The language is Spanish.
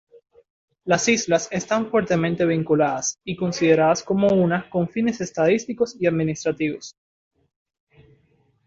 Las islas están fuertemente vinculadas y consideradas como una con fines estadísticos y administrativos.